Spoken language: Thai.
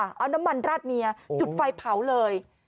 เอาน้ำมันราดเมียจุดไฟเผาเลย